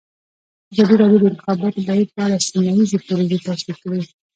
ازادي راډیو د د انتخاباتو بهیر په اړه سیمه ییزې پروژې تشریح کړې.